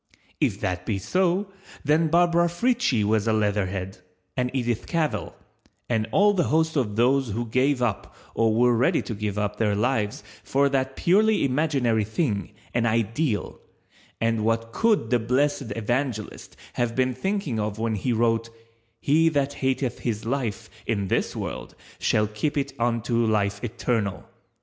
If that be so then Barbara Frietchie was a leatherhead, and Edith Cavell, and all the host of those who gave up or were ready to give up their lives for that purely imaginary thing, an ideal, and what could the blessed Evangelist have been thinking of when he wrote "_He that hateth his life in this world shall keep it unto life eternal.